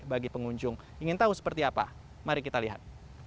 bagi pengunjung ingin tahu seperti apa mari kita lihat